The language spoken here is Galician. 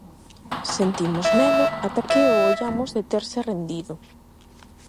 Sentimos medo ata que o ollamos deterse rendido.